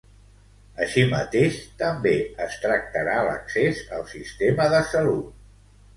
Així mateix, també es tractarà l'accés al sistema de salut.